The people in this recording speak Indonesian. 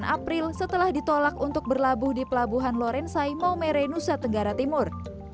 sembilan april setelah ditolak untuk berlabuh di pelabuhan lorensai maumere nusa tenggara timur